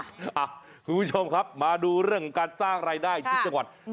คุณผู้ชมครับมาดูเรื่องของการสร้างรายได้ที่จังหวัด